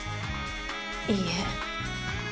いいえ。